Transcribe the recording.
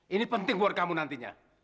ini penting buat kamu nantinya